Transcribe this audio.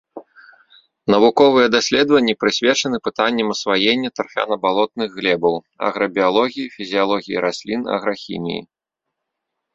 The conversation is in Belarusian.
Навуковыя даследаванні прысвечаны пытанням асваення тарфяна-балотных глебаў, аграбіялогіі, фізіялогіі раслін, аграхіміі.